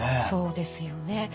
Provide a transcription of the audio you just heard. そうですよね。